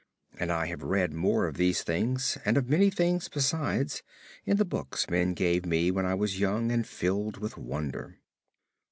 And I have read more of these things, and of many things besides, in the books men gave me when I was young and filled with wonder.